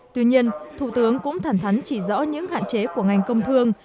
tuy nhiên thủ tướng cũng thẳng thắn chỉ rõ những hạn chế của ngành công thương